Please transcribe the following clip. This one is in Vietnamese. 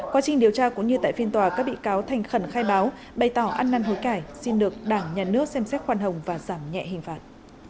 quá trình điều tra cũng như tại phiên tòa các bị cáo thành khẩn khai báo bày tỏ ăn năn hối cải xin được đảng nhà nước xem xét khoan hồng và giảm nhẹ hình phạt